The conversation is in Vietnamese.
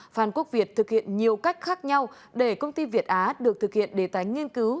phan quốc việt thực hiện nhiều cách khác nhau để công ty việt á được thực hiện đề tánh nghiên cứu